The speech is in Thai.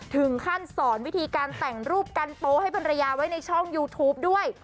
ถึงขั้นสอนวิธีการแต่งรูปการโต้ให้พรรยาไว้ช่องยูทูปด้วย